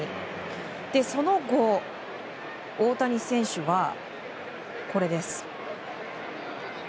その後、大谷選手はこれです。